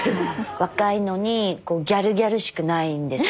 若いのにギャルギャルしくないんです。